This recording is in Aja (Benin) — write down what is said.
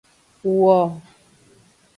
Wo.